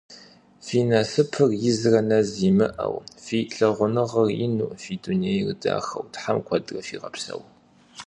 Фи насыпыр изрэ нэз имыӏэу, фи лъагъуныгъэр ину, фи дунейр дахэу Тхьэм куэдрэ фигъэпсэу!